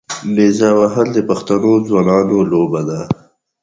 نیزه وهل د پښتنو ځوانانو لوبه ده.